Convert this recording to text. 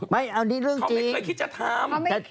ไม่อันนี้เรื่องจริง